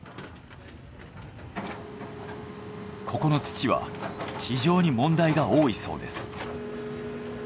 ここの土は非常に問題が多いそうです。